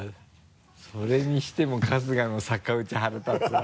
それにしても春日の逆打ち腹立つわ。